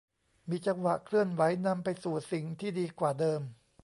มีจังหวะเคลื่อนไหวนำไปสู่สิ่งที่ดีกว่าเดิม